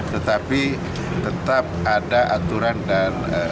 tetapi tetap ada aturan dan